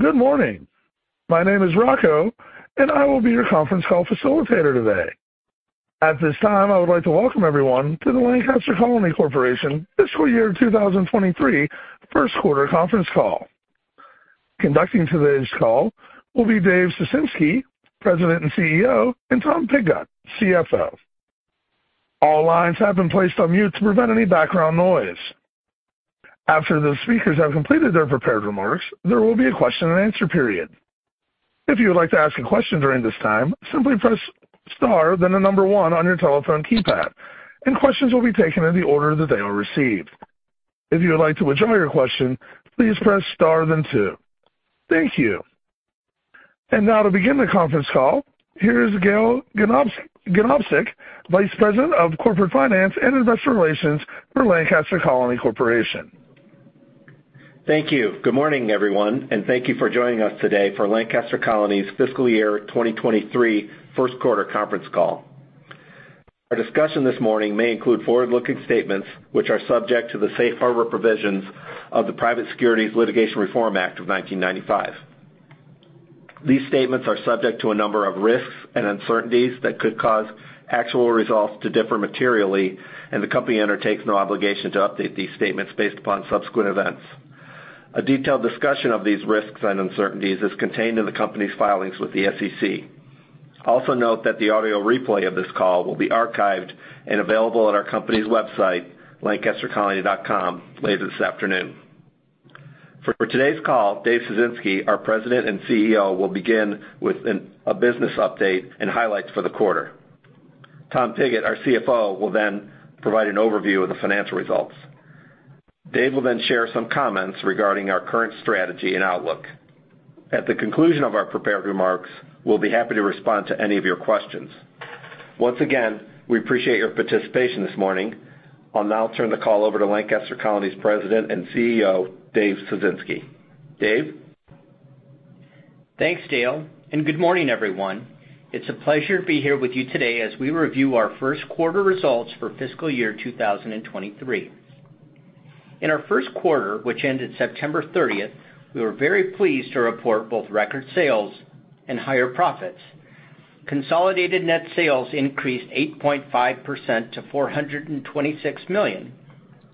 Good morning. My name is Rocco, and I will be your conference call facilitator today. At this time, I would like to welcome everyone to the Lancaster Colony Corporation Fiscal Year 2023 1st Quarter Conference Call. Conducting today's call will be Dave Ciesinski, President and CEO, and Tom Pigott, CFO. All lines have been placed on mute to prevent any background noise. After the speakers have completed their prepared remarks, there will be a question-and-answer period. If you would like to ask a question during this time, simply press star, then the number 1 on your telephone keypad, and questions will be taken in the order that they are received. If you would like to withdraw your question, please press star, then 2. Thank you. Now to begin the conference call, here is Dale Ganobsik, Vice President of Corporate Finance and Investor Relations for Lancaster Colony Corporation. Thank you. Good morning, everyone, and thank you for joining us today for Lancaster Colony's fiscal year 2023 first quarter conference call. Our discussion this morning may include forward-looking statements, which are subject to the safe harbor provisions of the Private Securities Litigation Reform Act of 1995. These statements are subject to a number of risks and uncertainties that could cause actual results to differ materially, and the company undertakes no obligation to update these statements based upon subsequent events. A detailed discussion of these risks and uncertainties is contained in the company's filings with the SEC. Also note that the audio replay of this call will be archived and available at our company's website, lancastercolony.com, later this afternoon. For today's call, Dave Ciesinski, our President and CEO, will begin with a business update and highlights for the quarter. Tom Pigott, our CFO, will then provide an overview of the financial results. Dave will then share some comments regarding our current strategy and outlook. At the conclusion of our prepared remarks, we'll be happy to respond to any of your questions. Once again, we appreciate your participation this morning. I'll now turn the call over to Lancaster Colony's President and CEO, Dave Ciesinski. Dave? Thanks, Dale, and good morning, everyone. It's a pleasure to be here with you today as we review our first quarter results for fiscal year 2023. In our 1st quarter, which ended September 30, we were very pleased to report both record sales and higher profits. Consolidated net sales increased 8.5% to $426 million,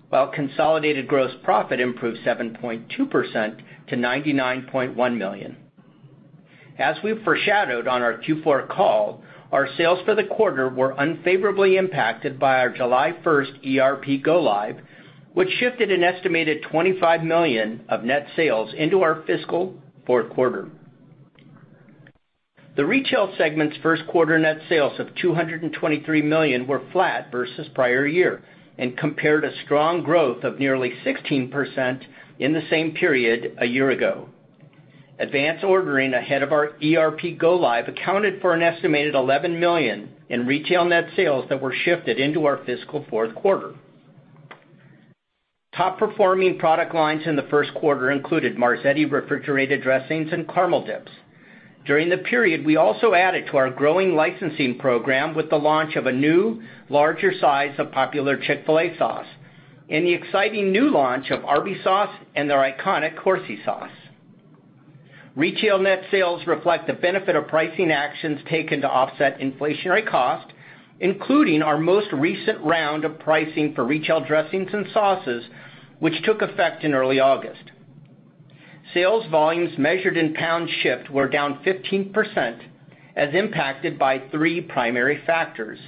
while consolidated gross profit improved 7.2% to $99.1 million. As we foreshadowed on our Q4 call, our sales for the quarter were unfavorably impacted by our July 1 ERP go-live, which shifted an estimated $25 million of net sales into our fiscal fourth quarter. The retail segment's 1st quarter net sales of $223 million were flat versus prior year and compared a strong growth of nearly 16% in the same period a year ago. Advance ordering ahead of our ERP go-live accounted for an estimated $11 million in retail net sales that were shifted into our fiscal fourth quarter. Top performing product lines in the 1st quarter included Marzetti refrigerated dressings and caramel dips. During the period, we also added to our growing licensing program with the launch of a new larger size of popular Chick-fil-A Sauce and the exciting new launch of Arby's Sauce and their iconic Horsey Sauce. Retail net sales reflect the benefit of pricing actions taken to offset inflationary cost, including our most recent round of pricing for retail dressings and sauces, which took effect in early August. Sales volumes measured in pounds shipped were down 15% as impacted by three primary factors.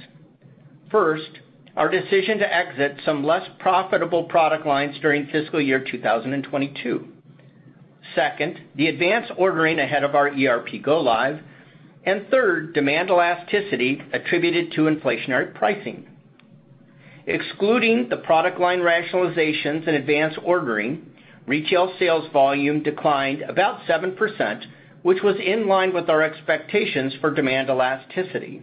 First, our decision to exit some less profitable product lines during fiscal year 2022. Second, the advance ordering ahead of our ERP go-live. Third, demand elasticity attributed to inflationary pricing. Excluding the product line rationalizations and advance ordering, retail sales volume declined about 7%, which was in line with our expectations for demand elasticity.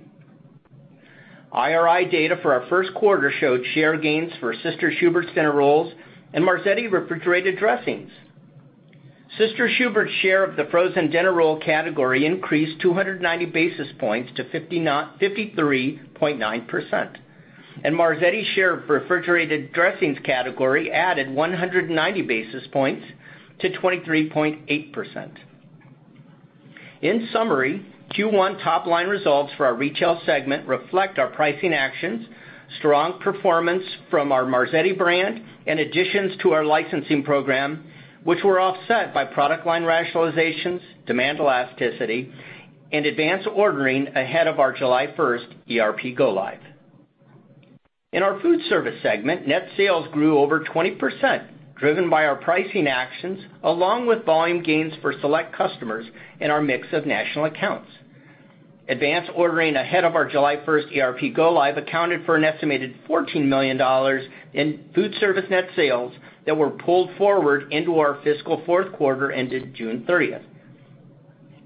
IRI data for our 1st quarter showed share gains for Sister Schubert's dinner rolls and Marzetti refrigerated dressings. Sister Schubert's share of the frozen dinner roll category increased 290 basis points to 53.9%. Marzetti's share of refrigerated dressings category added 190 basis points to 23.8%. In summary, Q1 top-line results for our retail segment reflect our pricing actions, strong performance from our Marzetti brand, and additions to our licensing program, which were offset by product line rationalizations, demand elasticity, and advance ordering ahead of our July 1 ERP go live. In our food service segment, net sales grew over 20%, driven by our pricing actions along with volume gains for select customers in our mix of national accounts. Advance ordering ahead of our July 1 ERP go live accounted for an estimated $14 million in food service net sales that were pulled forward into our fiscal 4th quarter ended June 30.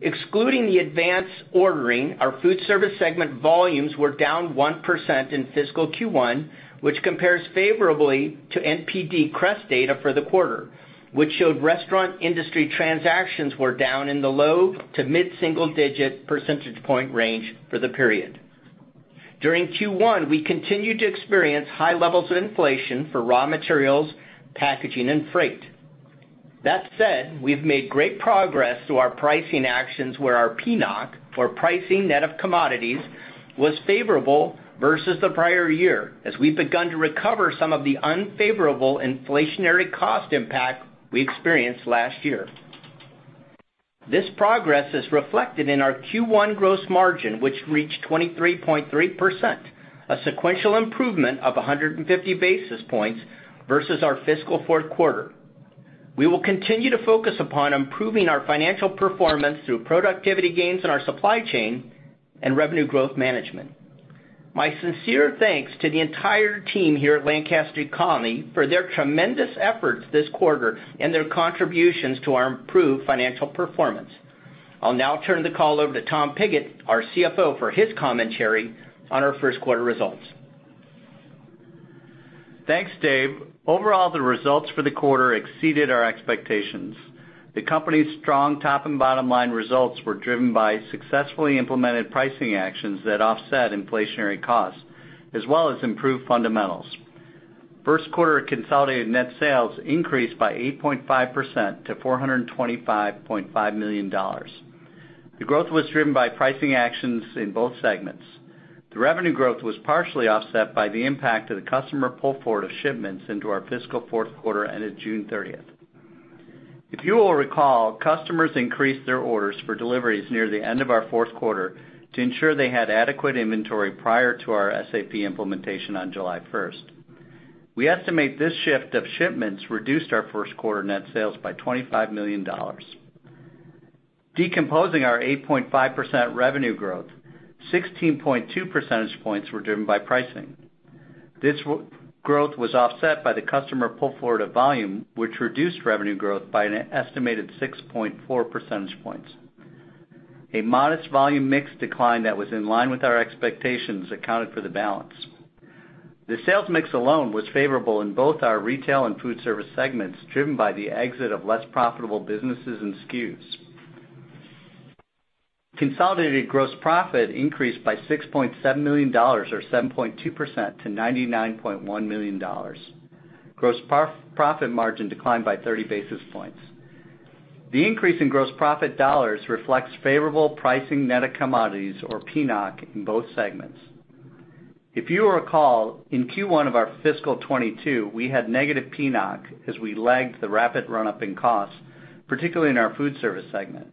Excluding the advance ordering, our food service segment volumes were down 1% in fiscal Q1, which compares favorably to NPD CREST data for the quarter, which showed restaurant industry transactions were down in the low- to mid-single-digit percentage point range for the period. During Q1, we continued to experience high levels of inflation for raw materials, packaging, and freight. That said, we've made great progress through our pricing actions where our PNOC, or pricing net of commodities, was favorable versus the prior year as we've begun to recover some of the unfavorable inflationary cost impact we experienced last year. This progress is reflected in our Q1 gross margin, which reached 23.3%, a sequential improvement of 150 basis points versus our fiscal 4th quarter. We will continue to focus upon improving our financial performance through productivity gains in our supply chain and revenue growth management. My sincere thanks to the entire team here at Lancaster Colony for their tremendous efforts this quarter and their contributions to our improved financial performance. I'll now turn the call over to Tom Pigott, our CFO, for his commentary on our 1st quarter results. Thanks, Dave. Overall, the results for the quarter exceeded our expectations. The company's strong top and bottom line results were driven by successfully implemented pricing actions that offset inflationary costs as well as improved fundamentals. 1st quarter consolidated net sales increased by 8.5% to $425.5 million. The growth was driven by pricing actions in both segments. The revenue growth was partially offset by the impact of the customer pull forward of shipments into our fiscal 4th quarter ended June 30. If you will recall, customers increased their orders for deliveries near the end of our fourth quarter to ensure they had adequate inventory prior to our SAP implementation on July 1. We estimate this shift of shipments reduced our first quarter net sales by $25 million. Decomposing our 8.5% revenue growth, 16.2 percentage points were driven by pricing. This growth was offset by the customer pull forward of volume, which reduced revenue growth by an estimated 6.4 percentage points. A modest volume mix decline that was in line with our expectations accounted for the balance. The sales mix alone was favorable in both our retail and food service segments, driven by the exit of less profitable businesses and SKUs. Consolidated gross profit increased by $6.7 million, or 7.2% to $99.1 million. Gross profit margin declined by 30 basis points. The increase in gross profit dollars reflects favorable pricing net of commodities, or PNOC, in both segments. If you will recall, in Q1 of our fiscal 2022, we had negative PNOC as we lagged the rapid run-up in costs, particularly in our food service segment.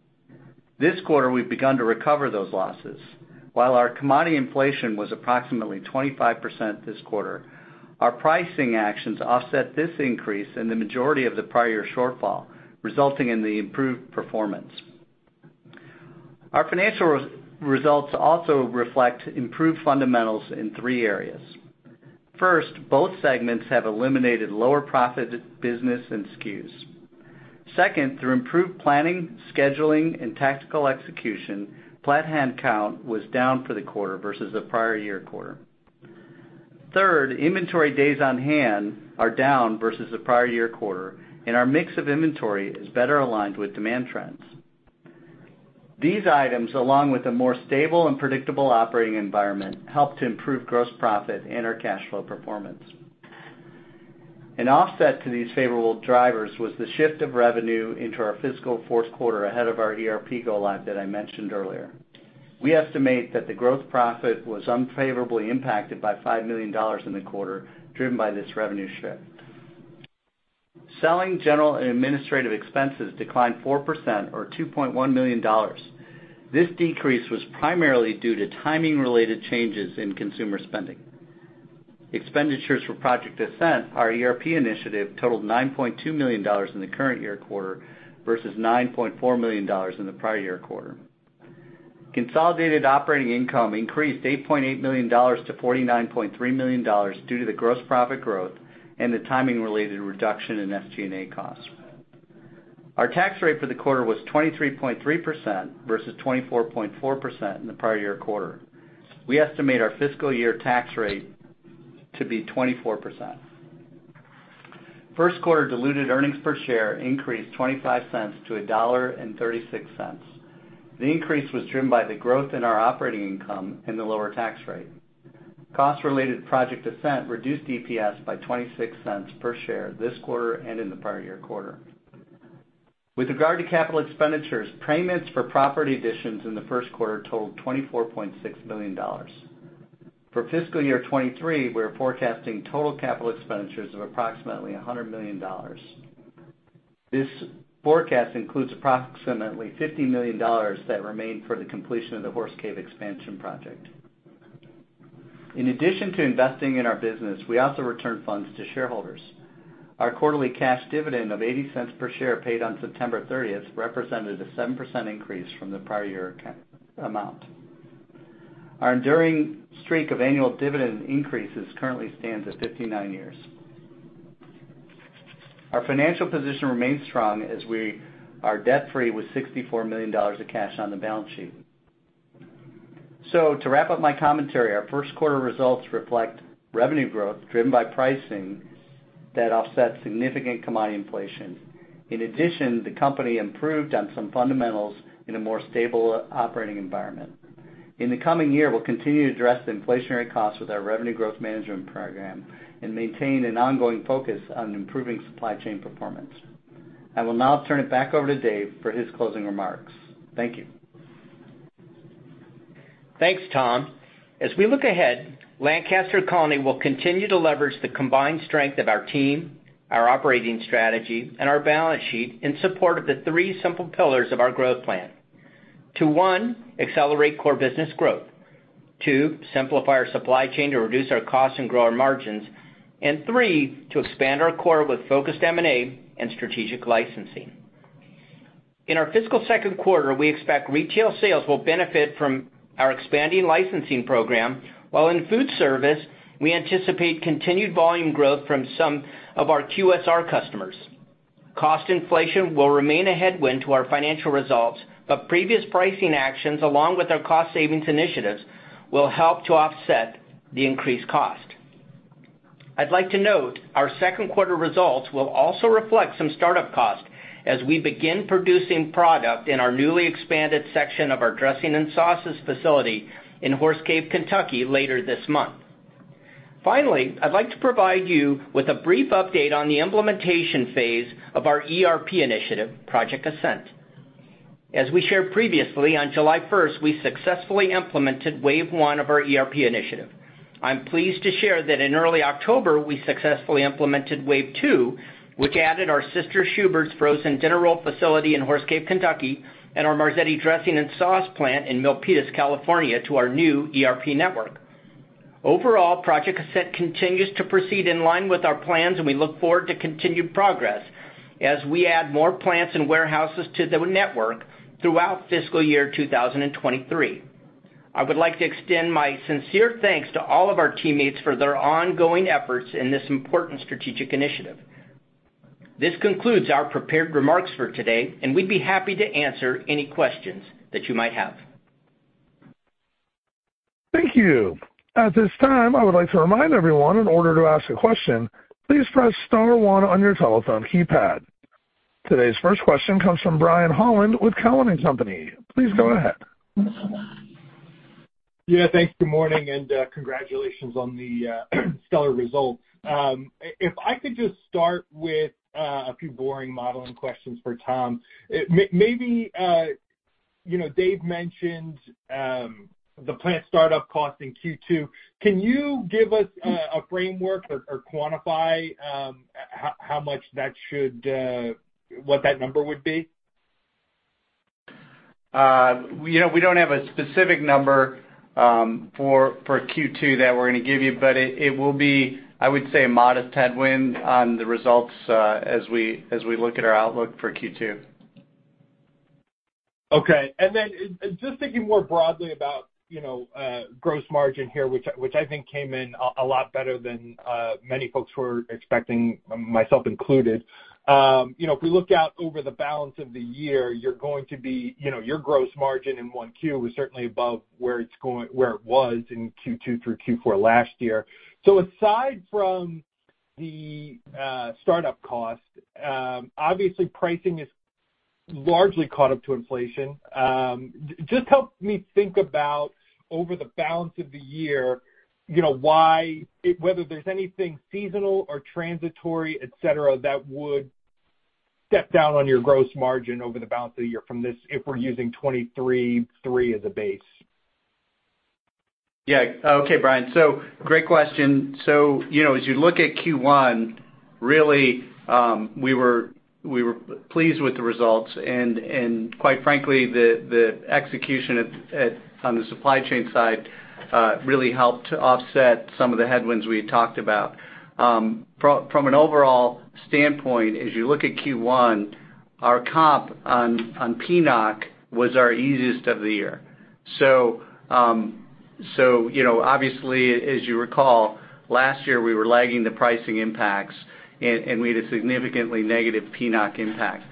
This quarter, we've begun to recover those losses. While our commodity inflation was approximately 25% this quarter, our pricing actions offset this increase in the majority of the prior shortfall, resulting in the improved performance. Our financial results also reflect improved fundamentals in three areas. First, both segments have eliminated lower profit business and SKUs. Second, through improved planning, scheduling, and tactical execution, plant headcount was down for the quarter versus the prior year quarter. Third, inventory days on hand are down versus the prior year quarter, and our mix of inventory is better aligned with demand trends. These items, along with a more stable and predictable operating environment, help to improve gross profit and our cash flow performance. An offset to these favorable drivers was the shift of revenue into our fiscal fourth quarter ahead of our ERP go-live that I mentioned earlier. We estimate that the gross profit was unfavorably impacted by $5 million in the quarter, driven by this revenue shift. Selling, general, and administrative expenses declined 4% or $2.1 million. This decrease was primarily due to timing-related changes in consumer spending. Expenditures for Project Ascent, our ERP initiative, totaled $9.2 million in the current year quarter versus $9.4 million in the prior year quarter. Consolidated operating income increased $8.8 million to $49.3 million due to the gross profit growth and the timing-related reduction in SG&A costs. Our tax rate for the quarter was 23.3% versus 24.4% in the prior year quarter. We estimate our fiscal year tax rate to be 24%. First quarter diluted earnings per share increased $0.25 to $1.36. The increase was driven by the growth in our operating income and the lower tax rate. Costs related to Project Ascent reduced EPS by $0.26 per share this quarter and in the prior year quarter. With regard to capital expenditures, payments for property additions in the first quarter totaled $24.6 million. For fiscal year 2023, we're forecasting total capital expenditures of approximately $100 million. This forecast includes approximately $50 million that remain for the completion of the Horse Cave expansion project. In addition to investing in our business, we also return funds to shareholders. Our quarterly cash dividend of $0.80 per share paid on September 30 represented a 7% increase from the prior year amount. Our enduring streak of annual dividend increases currently stands at 59 years. Our financial position remains strong as we are debt-free with $64 million of cash on the balance sheet. To wrap up my commentary, our 1st quarter results reflect revenue growth driven by pricing that offset significant commodity inflation. In addition, the company improved on some fundamentals in a more stable operating environment. In the coming year, we'll continue to address the inflationary costs with our revenue growth management program and maintain an ongoing focus on improving supply chain performance. I will now turn it back over to Dave for his closing remarks. Thank you. Thanks, Tom. As we look ahead, Lancaster Colony will continue to leverage the combined strength of our team, our operating strategy, and our balance sheet in support of the three simple pillars of our growth plan to, one, accelerate core business growth, two, simplify our supply chain to reduce our costs and grow our margins, and three, to expand our core with focused M&A and strategic licensing. In our fiscal second quarter, we expect retail sales will benefit from our expanding licensing program, while in food service, we anticipate continued volume growth from some of our QSR customers. Cost inflation will remain a headwind to our financial results, but previous pricing actions, along with our cost savings initiatives, will help to offset the increased cost. I'd like to note our second quarter results will also reflect some startup costs as we begin producing product in our newly expanded section of our dressing and sauces facility in Horse Cave, Kentucky, later this month. Finally, I'd like to provide you with a brief update on the implementation phase of our ERP initiative, Project Ascent. As we shared previously, on July first, we successfully implemented wave one of our ERP initiative. I'm pleased to share that in early October, we successfully implemented wave two, which added our Sister Schubert's frozen dinner roll facility in Horse Cave, Kentucky, and our Marzetti dressing and sauce plant in Milpitas, California, to our new ERP network. Overall, Project Ascent continues to proceed in line with our plans, and we look forward to continued progress as we add more plants and warehouses to the network throughout fiscal year 2023. I would like to extend my sincere thanks to all of our teammates for their ongoing efforts in this important strategic initiative. This concludes our prepared remarks for today, and we'd be happy to answer any questions that you might have. Thank you. At this time, I would like to remind everyone in order to ask a question, please press star one on your telephone keypad. Today's first question comes from Brian Holland with Cowen and Company. Please go ahead. Yeah, thanks. Good morning, and congratulations on the stellar results. If I could just start with a few boring modeling questions for Tom. Maybe, you know, Dave mentioned the plant startup cost in Q2. Can you give us a framework or quantify what that number would be? You know, we don't have a specific number for Q2 that we're gonna give you, but it will be, I would say, a modest headwind on the results as we look at our outlook for Q2. Okay. Just thinking more broadly about, you know, gross margin here, which I think came in a lot better than many folks were expecting, myself included. You know, if we look out over the balance of the year, you are going to be, you know, your gross margin in 1Q was certainly above where it was in Q2 through Q4 last year. Aside from the startup cost, obviously pricing has largely caught up to inflation. Just help me think about over the balance of the year, you know, whether there's anything seasonal or transitory, et cetera, that would step down on your gross margin over the balance of the year from this, if we're using 23.3% as a base. Yeah. Okay, Brian. Great question. You know, as you look at Q1, really, we were pleased with the results. Quite frankly, the execution on the supply chain side really helped to offset some of the headwinds we had talked about. From an overall standpoint, as you look at Q1, our comp on PNOC was our easiest of the year. You know, obviously, as you recall, last year, we were lagging the pricing impacts, and we had a significantly negative PNOC impact.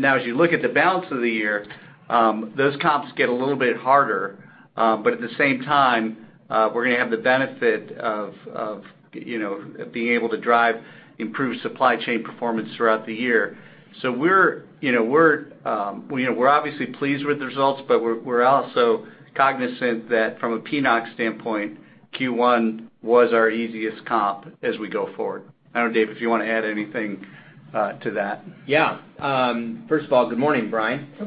Now, as you look at the balance of the year, those comps get a little bit harder, but at the same time, we're gonna have the benefit of you know, being able to drive improved supply chain performance throughout the year. We're, you know, obviously pleased with the results, but we're also cognizant that from a PNOC standpoint, Q1 was our easiest comp as we go forward. I don't know, Dave, if you wanna add anything to that. Yeah. First of all, good morning, Brian. You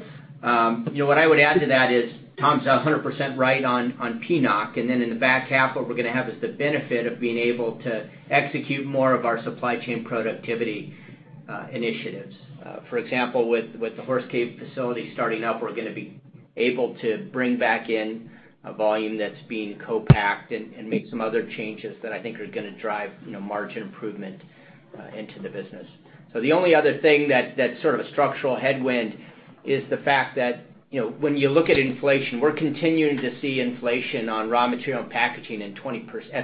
know, what I would add to that is Tom's 100% right on PNOC, and then in the back half, what we're gonna have is the benefit of being able to execute more of our supply chain productivity initiatives. For example, with the Horse Cave facility starting up, we're gonna be able to bring back in a volume that's being co-packed and make some other changes that I think are gonna drive, you know, margin improvement into the business. The only other thing that's sort of a structural headwind is the fact that, you know, when you look at inflation, we're continuing to see inflation on raw material and packaging at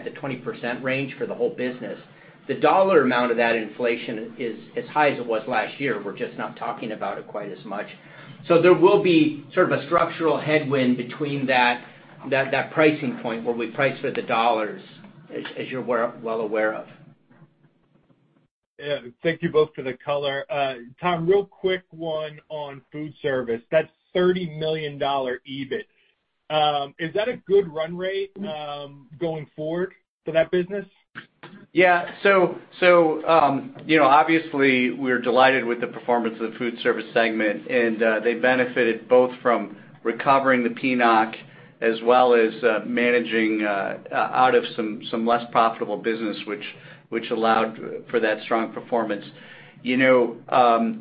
the 20% range for the whole business. The dollar amount of that inflation is as high as it was last year. We're just not talking about it quite as much. There will be sort of a structural headwind between that pricing point where we price for the dollars, as you're well aware of. Yeah. Thank you both for the color. Tom, real quick one on food service. That's $30 million EBIT. Is that a good run rate going forward for that business? Yeah. You know, obviously, we're delighted with the performance of the food service segment, and they benefited both from recovering the PNOC as well as managing out of some less profitable business, which allowed for that strong performance. You know,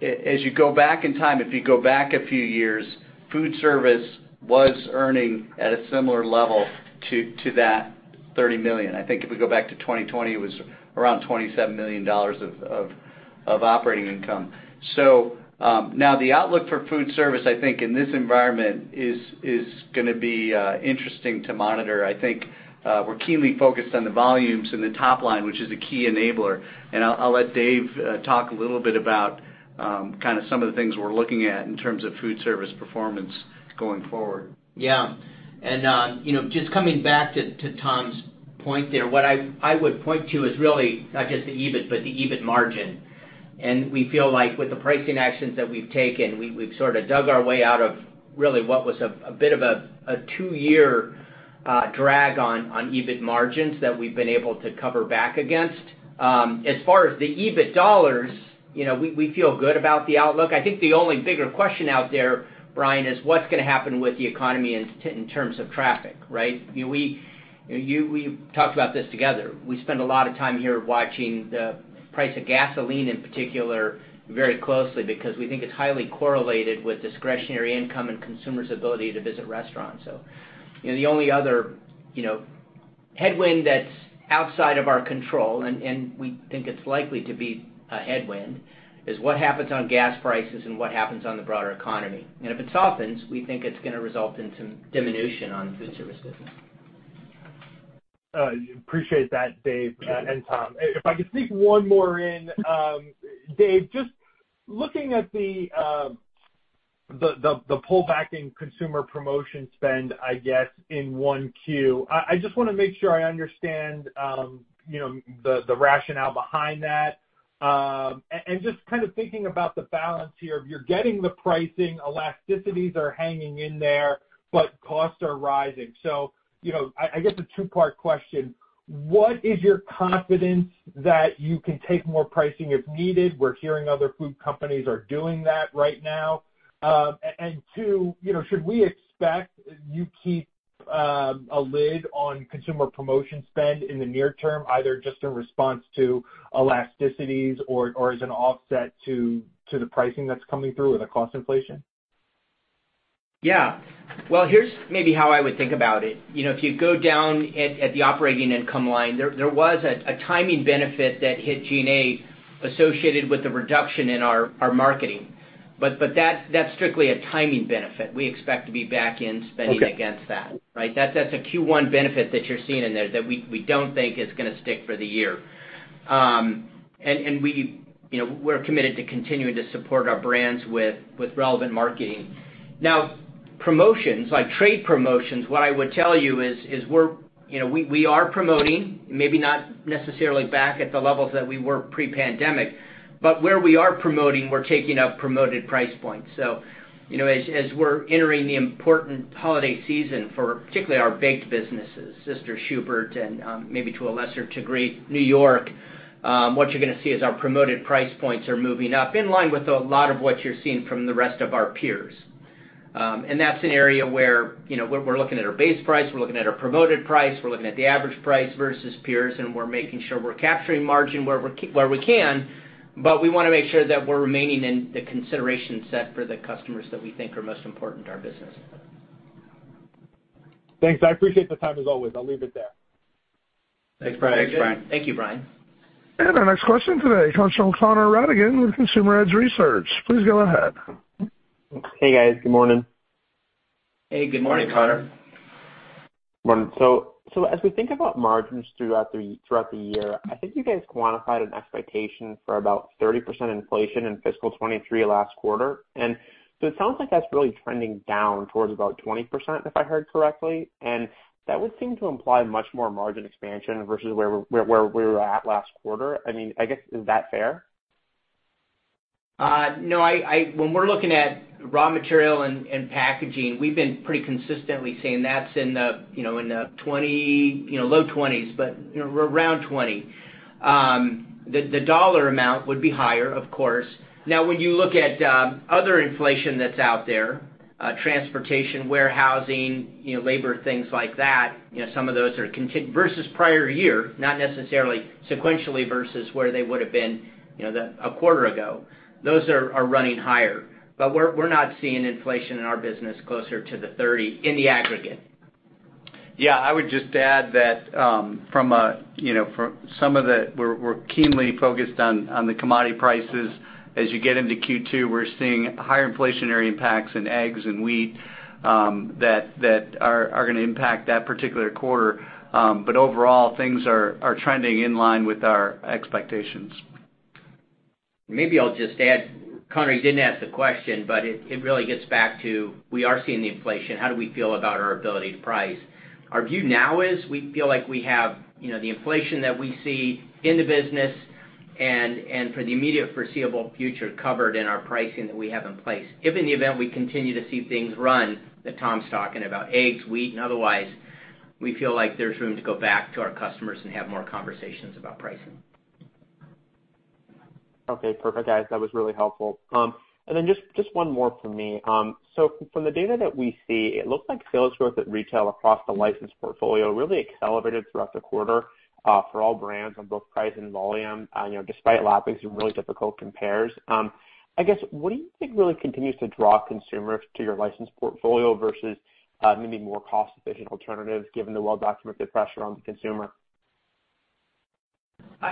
as you go back in time, if you go back a few years, food service was earning at a similar level to that $30 million. I think if we go back to 2020, it was around $27 million of operating income. Now the outlook for food service, I think in this environment is gonna be interesting to monitor. I think we're keenly focused on the volumes in the top line, which is a key enabler. I'll let Dave talk a little bit about kinda some of the things we're looking at in terms of food service performance going forward. Yeah. You know, just coming back to Tom's point there, what I would point to is really not just the EBIT, but the EBIT margin. We feel like with the pricing actions that we've taken, we've sorta dug our way out of really what was a bit of a two-year drag on EBIT margins that we've been able to cover back against. As far as the EBIT dollars, you know, we feel good about the outlook. I think the only bigger question out there, Brian, is what's gonna happen with the economy in terms of traffic, right? You know, we've talked about this together. We spend a lot of time here watching the price of gasoline, in particular, very closely because we think it's highly correlated with discretionary income and consumers' ability to visit restaurants. You know, the only other, you know, headwind that's outside of our control, and we think it's likely to be a headwind, is what happens on gas prices and what happens on the broader economy. If it softens, we think it's gonna result in some diminution on food service business. Appreciate that, Dave, and Tom. If I could sneak one more in. Dave, just looking at the pullback in consumer promotion spend, I guess, in one Q, I just wanna make sure I understand, you know, the rationale behind that. Just kind of thinking about the balance here of you're getting the pricing, elasticities are hanging in there, but costs are rising. You know, I guess a two-part question. What is your confidence that you can take more pricing if needed? We're hearing other food companies are doing that right now. Two, you know, should we expect you keep a lid on consumer promotion spend in the near term, either just in response to elasticities or as an offset to the pricing that's coming through or the cost inflation? Yeah. Well, here's maybe how I would think about it. You know, if you go down to the operating income line, there was a timing benefit that hit SG&A associated with the reduction in our marketing. But that's strictly a timing benefit. We expect to be back in spending- Okay Against that. Right? That's a Q1 benefit that you're seeing in there that we don't think is gonna stick for the year. We, you know, we're committed to continuing to support our brands with relevant marketing. Now, promotions, like trade promotions, what I would tell you is we're you know, we are promoting, maybe not necessarily back at the levels that we were pre-pandemic, but where we are promoting, we're taking up promoted price points. You know, as we're entering the important holiday season for particularly our baked businesses, Sister Schubert's and, maybe to a lesser degree, New York Bakery, what you're gonna see is our promoted price points are moving up in line with a lot of what you're seeing from the rest of our peers. That's an area where, you know, we're looking at our base price, we're looking at our promoted price, we're looking at the average price versus peers, and we're making sure we're capturing margin where we can, but we wanna make sure that we're remaining in the consideration set for the customers that we think are most important to our business. Thanks. I appreciate the time as always. I'll leave it there. Thanks, Brian. Thank you, Brian. Our next question today comes from Connor Rattigan with Consumer Edge Research. Please go ahead. Hey, guys. Good morning. Hey, good morning, Connor. Morning. As we think about margins throughout the year, I think you guys quantified an expectation for about 30% inflation in fiscal 2023 last quarter. It sounds like that's really trending down towards about 20%, if I heard correctly. That would seem to imply much more margin expansion versus where we were at last quarter. I mean, I guess, is that fair? No. I-- when we're looking at raw material and packaging, we've been pretty consistently saying that's in the, you know, in the 20, you know, low 20s, but, you know, we're around 20. The dollar amount would be higher, of course. Now, when you look at other inflation that's out there, transportation, warehousing, you know, labor, things like that, you know, some of those are versus prior year, not necessarily sequentially versus where they would have been, you know, a quarter ago. Those are running higher. We're not seeing inflation in our business closer to the 30 in the aggregate. Yeah. I would just add that, you know, we're keenly focused on the commodity prices. As you get into Q2, we're seeing higher inflationary impacts in eggs and wheat that are gonna impact that particular quarter. Overall, things are trending in line with our expectations. Maybe I'll just add, Connor, you didn't ask the question, but it really gets back to we are seeing the inflation. How do we feel about our ability to price? Our view now is we feel like we have, you know, the inflation that we see in the business and for the immediate foreseeable future covered in our pricing that we have in place. If in the event we continue to see things run that Tom's talking about, eggs, wheat, and otherwise, we feel like there's room to go back to our customers and have more conversations about pricing. Okay. Perfect, guys. That was really helpful. Just one more from me. From the data that we see, it looks like sales growth at retail across the licensed portfolio really accelerated throughout the quarter, for all brands on both price and volume, you know, despite lapping some really difficult compares. I guess, what do you think really continues to draw consumers to your licensed portfolio versus maybe more cost-efficient alternatives, given the well-documented pressure on the consumer?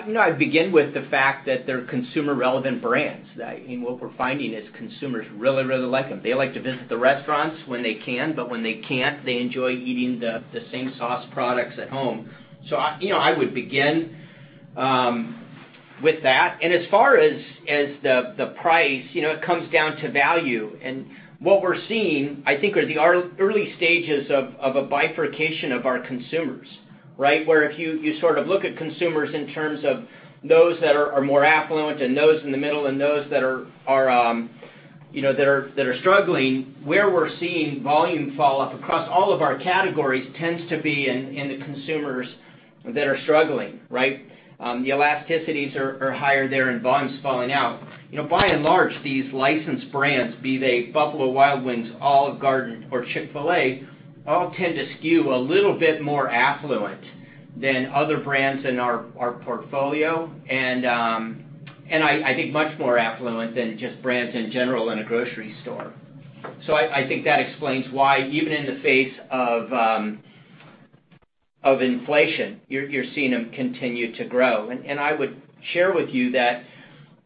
You know, I'd begin with the fact that they're consumer relevant brands. That and what we're finding is consumers really, really like them. They like to visit the restaurants when they can, but when they can't, they enjoy eating the same sauce products at home. You know, I would begin with that. As far as the price, you know, it comes down to value. What we're seeing, I think, are the early stages of a bifurcation of our consumers, right? Where if you sort of look at consumers in terms of those that are more affluent and those in the middle and those that are struggling, where we're seeing volume fall off across all of our categories tends to be in the consumers that are struggling, right? The elasticities are higher there and volume's falling out. You know, by and large, these licensed brands, be they Buffalo Wild Wings, Olive Garden, or Chick-fil-A, all tend to skew a little bit more affluent than other brands in our portfolio and I think much more affluent than just brands in general in a grocery store. I think that explains why even in the face of inflation, you're seeing them continue to grow. I would share with you that,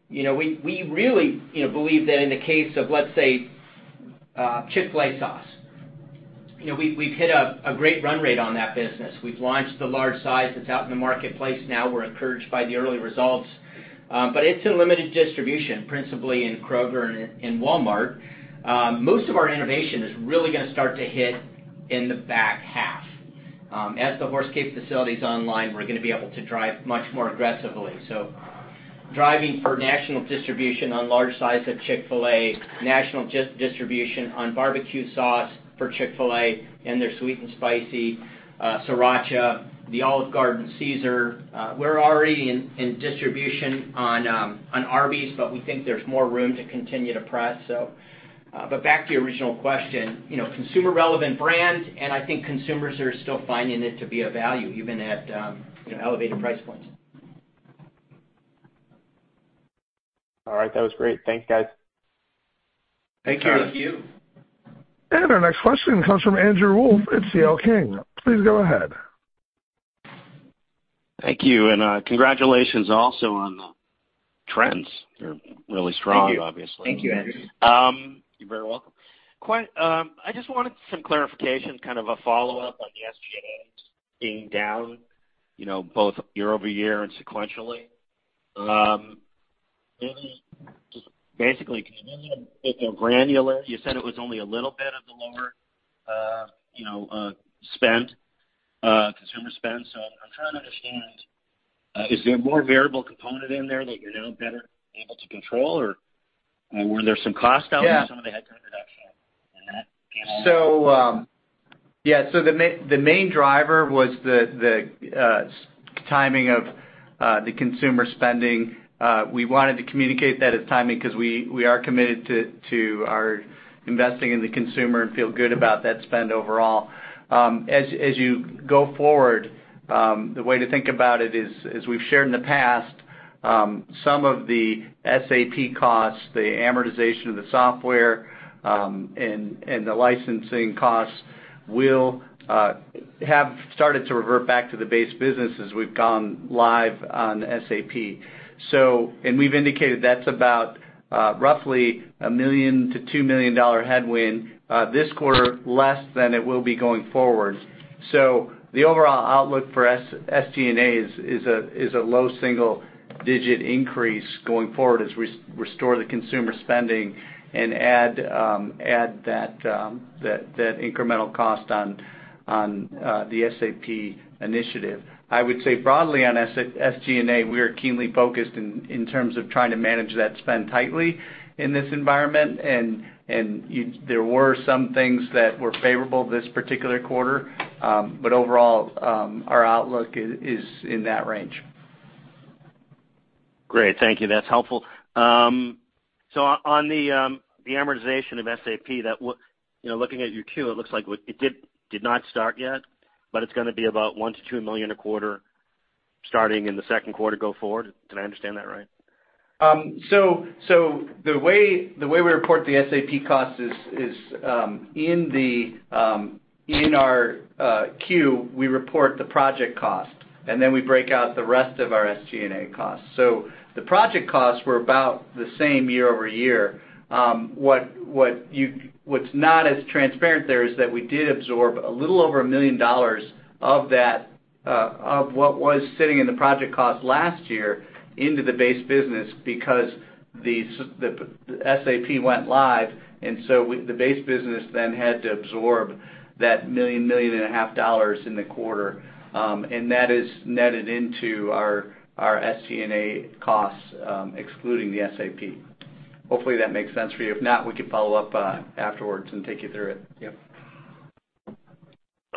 you know, we really, you know, believe that in the case of, let's say, Chick-fil-A Sauce, you know, we've hit a great run rate on that business. We've launched the large size that's out in the marketplace now. We're encouraged by the early results, but it's in limited distribution, principally in Kroger and in Walmart. Most of our innovation is really gonna start to hit in the back half. As the Horse Cave facility is online, we're gonna be able to drive much more aggressively. Driving for national distribution on large size of Chick-fil-A, national distribution on barbecue sauce for Chick-fil-A and their Sweet & Spicy Sriracha, the Olive Garden Caesar. We're already in distribution on Arby's, but we think there's more room to continue to press. But back to your original question, you know, consumer relevant brand, and I think consumers are still finding it to be a value even at, you know, elevated price points. All right. That was great. Thanks, guys. Thank you. Thank you. Our next question comes from Andrew Wolf at C.L. King. Please go ahead. Thank you, and, congratulations also on the trends. They're really strong, obviously. Thank you. Thank you, Andrew. You're very welcome. Quite, I just wanted some clarification, kind of a follow-up on the SG&As being down, you know, both year-over-year and sequentially. Maybe just basically, can you maybe get more granular? You said it was only a little bit of the lower consumer spend, so I'm trying to understand, is there more variable component in there that you're now better able to control? Or, were there some cost out- Yeah In some of the headcount reduction and that came out? The main driver was the timing of the consumer spending. We wanted to communicate that it's timing 'cause we are committed to our investing in the consumer and feel good about that spend overall. As you go forward, the way to think about it is, as we've shared in the past, some of the SAP costs, the amortization of the software, and the licensing costs will have started to revert back to the base business as we've gone live on SAP. We've indicated that's about roughly $1 million-$2 million headwind this quarter less than it will be going forward. The overall outlook for SG&A is a low single-digit increase going forward as we restore consumer spending and add that incremental cost on the SAP initiative. I would say broadly on SG&A, we are keenly focused in terms of trying to manage that spend tightly in this environment and there were some things that were favorable this particular quarter. Overall, our outlook is in that range. Great. Thank you. That's helpful. So on the amortization of SAP, you know, looking at your Q, it looks like it did not start yet, but it's gonna be about $1-$2 million a quarter starting in the 2nd quarter go forward. Did I understand that right? The way we report the SAP cost is in our 10-Q, we report the project cost, and then we break out the rest of our SG&A costs. The project costs were about the same year-over-year. What's not as transparent there is that we did absorb a little over $1 million of that of what was sitting in the project cost last year into the base business because the SAP went live, and the base business then had to absorb that $1.5 million in the quarter. And that is netted into our SG&A costs, excluding the SAP. Hopefully that makes sense for you. If not, we can follow up afterwards and take you through it. Yep.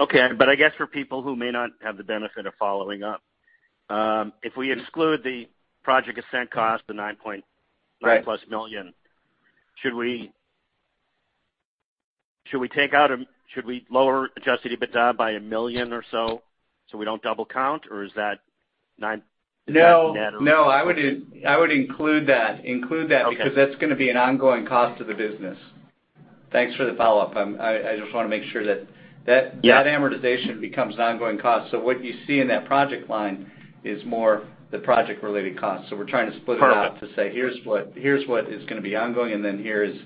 Okay. I guess for people who may not have the benefit of following up, if we exclude the Project Ascent cost, the 9 point- Right $9+ million, should we lower adjusted EBITDA by $1 million or so so we don't double count, or is that 9 No, I would include that. Okay... because that's gonna be an ongoing cost to the business. Thanks for the follow-up. I just wanna make sure that. Yeah That amortization becomes an ongoing cost. What you see in that project line is more the project-related cost. We're trying to split it out. Perfect... to say here's what is gonna be ongoing, and then here's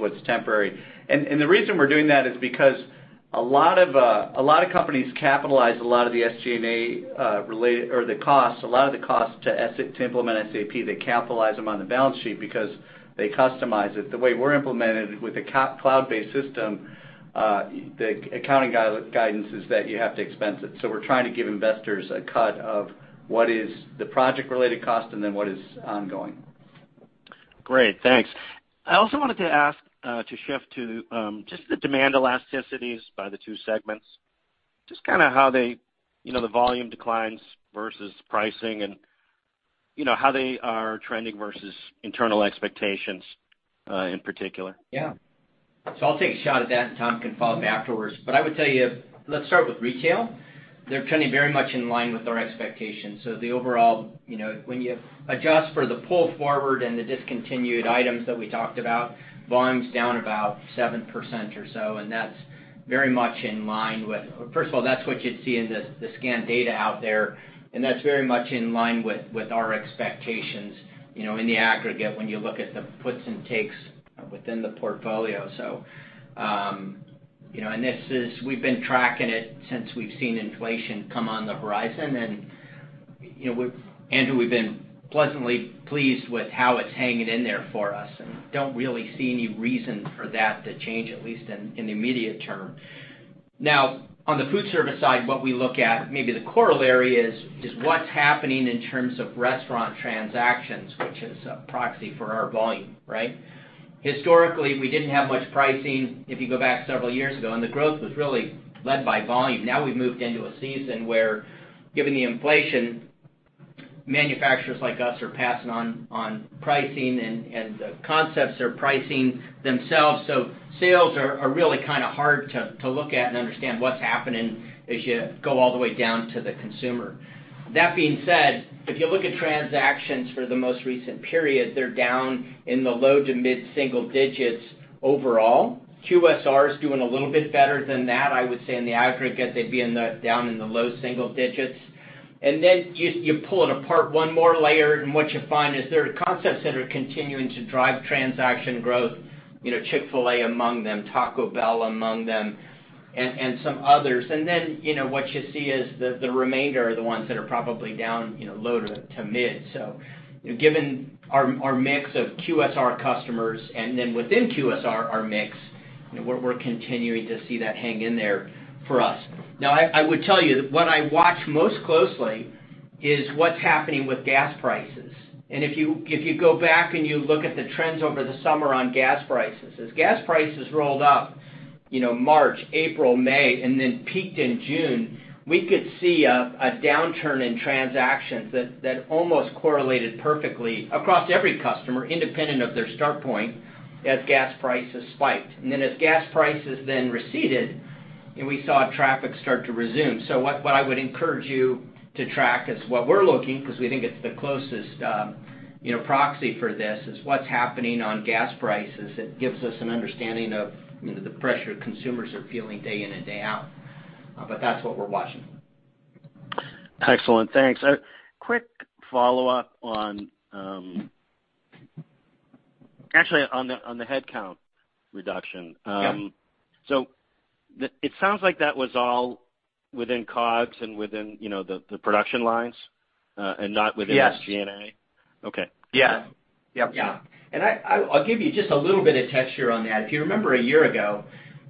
what's temporary. The reason we're doing that is because a lot of companies capitalize a lot of the SG&A related or the cost to implement SAP, they capitalize them on the balance sheet because they customize it. The way we're implemented with a cloud-based system, the accounting guidance is that you have to expense it. We're trying to give investors a cut of what is the project-related cost and then what is ongoing. Great. Thanks. I also wanted to ask, to shift to, just the demand elasticities by the 2 segments. Just kinda how they, you know, the volume declines versus pricing and, you know, how they are trending versus internal expectations, in particular. Yeah. I'll take a shot at that, and Tom can follow me afterwards. I would tell you, let's start with retail. They're trending very much in line with our expectations. The overall, you know, when you adjust for the pull forward and the discontinued items that we talked about, volume's down about 7% or so, and that's very much in line with. First of all, that's what you'd see in the scanned data out there, and that's very much in line with our expectations, you know, in the aggregate when you look at the puts and takes within the portfolio. You know, this is. We've been tracking it since we've seen inflation come on the horizon. You know, Andrew, we've been pleasantly pleased with how it's hanging in there for us, and don't really see any reason for that to change, at least in the immediate term. Now, on the food service side, what we look at, maybe the corollary is what's happening in terms of restaurant transactions, which is a proxy for our volume, right? Historically, we didn't have much pricing if you go back several years ago, and the growth was really led by volume. Now we've moved into a season where, given the inflation, manufacturers like us are passing on pricing and the concepts are pricing themselves. So sales are really kinda hard to look at and understand what's happening as you go all the way down to the consumer. That being said, if you look at transactions for the most recent period, they're down in the low to mid-single digits overall. QSR is doing a little bit better than that. I would say in the aggregate, they'd be down in the low single digits. You pull it apart one more layer, and what you find is there are concepts that are continuing to drive transaction growth, you know, Chick-fil-A among them, Taco Bell among them, and some others. You know, what you see is the remainder are the ones that are probably down, you know, low to mid. You know, given our mix of QSR customers and then within QSR, our mix, you know, we're continuing to see that hang in there for us. Now, I would tell you what I watch most closely is what's happening with gas prices. If you go back and you look at the trends over the summer on gas prices, as gas prices rolled up, you know, March, April, May, and then peaked in June, we could see a downturn in transactions that almost correlated perfectly across every customer, independent of their start point, as gas prices spiked. Then as gas prices then receded, and we saw traffic start to resume. What I would encourage you to track is what we're looking, 'cause we think it's the closest, you know, proxy for this, is what's happening on gas prices. It gives us an understanding of, you know, the pressure consumers are feeling day in and day out. That's what we're watching. Excellent. Thanks. A quick follow-up on, actually, on the headcount reduction. Yeah. It sounds like that was all within COGS and within, you know, the production lines, and not within. Yes SG&A. Okay. Yeah. Yep. Yeah. I'll give you just a little bit of texture on that. If you remember a year ago,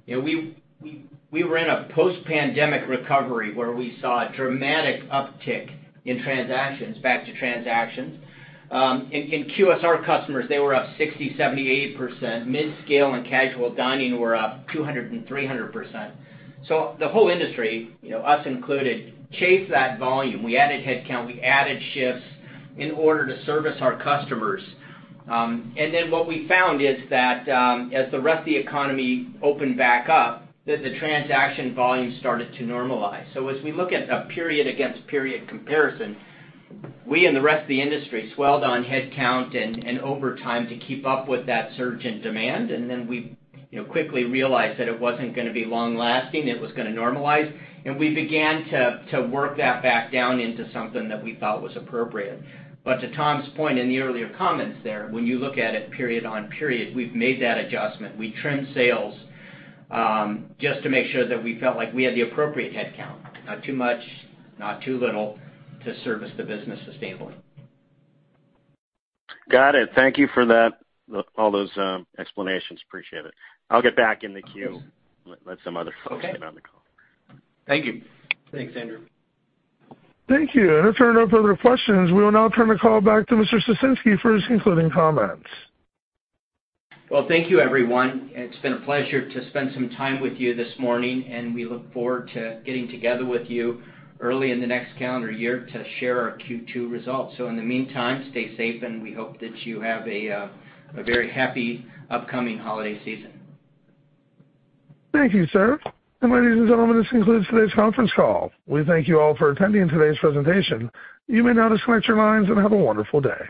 you know, we were in a post-pandemic recovery where we saw a dramatic uptick in transactions, back to transactions. In QSR customers, they were up 60, 70, 80%. Midscale and casual dining were up 200 and 300%. The whole industry, you know, us included, chased that volume. We added headcount, we added shifts in order to service our customers. And then what we found is that, as the rest of the economy opened back up, that the transaction volume started to normalize. As we look at a period against period comparison, we and the rest of the industry swelled on headcount and over time to keep up with that surge in demand. We, you know, quickly realized that it wasn't gonna be long-lasting, it was gonna normalize, and we began to work that back down into something that we thought was appropriate. To Tom's point in the earlier comments there, when you look at it period-over-period, we've made that adjustment. We trimmed sales just to make sure that we felt like we had the appropriate headcount, not too much, not too little, to service the business sustainably. Got it. Thank you for that, all those explanations. Appreciate it. I'll get back in the queue. Let some other folks. Okay Get on the call. Thank you. Thanks, Andrew. Thank you. If there are no further questions, we will now turn the call back to Mr. Ciesinski for his concluding comments. Well, thank you, everyone. It's been a pleasure to spend some time with you this morning, and we look forward to getting together with you early in the next calendar year to share our Q2 results. In the meantime, stay safe, and we hope that you have a very happy upcoming holiday season. Thank you, sir. Ladies and gentlemen, this concludes today's conference call. We thank you all for attending today's presentation. You may now disconnect your lines and have a wonderful day.